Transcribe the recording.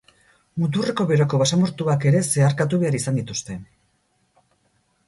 Muturreko beroko basamortuak ere zeharkatu behar izan dituzte.